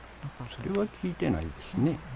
それは聞いてないですね。